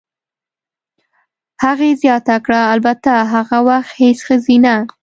هغې زیاته کړه: "البته، هغه وخت هېڅ ښځینه.